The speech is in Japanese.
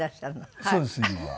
そうです今は。